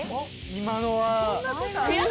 今のは。